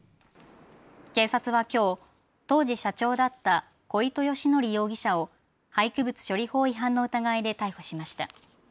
警察はきょう当時、社長だった小糸佳工容疑者を廃棄物処理法違反の疑いで逮捕しました。